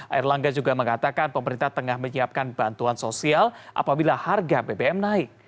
air langga juga mengatakan pemerintah tengah menyiapkan bantuan sosial apabila harga bbm naik